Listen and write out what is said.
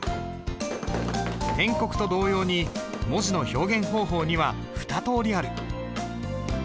篆刻と同様に文字の表現方法には２通りある。